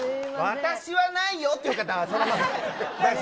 私はないよっていう方はそのままで大丈夫。